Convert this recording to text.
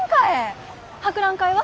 博覧会は？